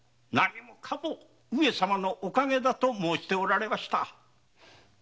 何もかも上様のお陰だと申しておられました。